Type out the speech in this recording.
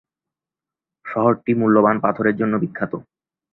শহরটি মূল্যবান পাথরের জন্য বিখ্যাত।